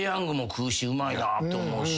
うまいなって思うし。